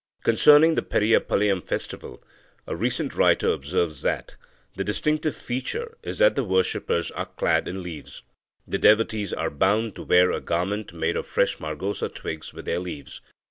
Concerning the Periyapalayam festival, a recent writer observes that, "the distinctive feature is that the worshippers are clad in leaves. The devotees are bound to wear a garment made of fresh margosa twigs with their leaves.